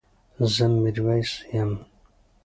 زه ميرويس يم